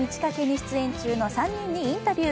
出演中の３人にインタビュー。